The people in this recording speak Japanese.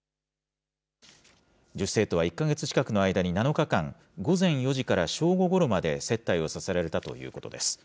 女子生徒は１か月近くの間に７日間、午前４時から正午ごろまで接待をさせられたということです。